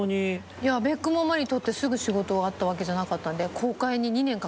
いや『アベックモンマリ』撮ってすぐ仕事があったわけじゃなかった。